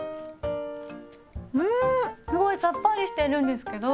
うんすごいさっぱりしてるんですけど。